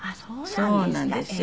そうなんですよ。